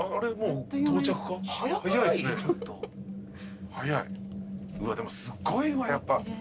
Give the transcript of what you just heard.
うわでもすっごいわやっぱ。